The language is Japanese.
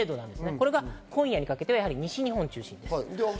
これが今夜にかけて西日本中心です。